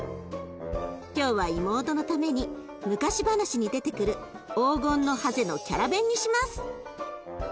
今日は妹のために昔話に出てくる黄金のハゼのキャラベンにします。